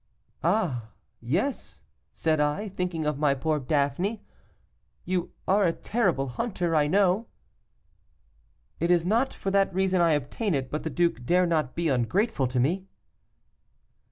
'Ah, yes,' said I, thinking of my poor Daphné 'you are a terrible hunter, I know.' 'It is not for, that reason I obtain it, but the duke dare not be ungrateful to me.